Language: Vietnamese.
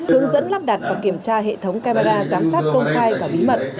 hướng dẫn lắp đặt và kiểm tra hệ thống camera giám sát công khai và bí mật